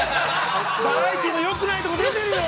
◆バラエティーのよくないところ出てるよ。